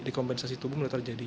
dikompensasi tubuh mulai terjadi